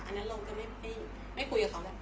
ใช่ทางคดีไปอันนั้นเราไม่คุยกับเขาแล้ว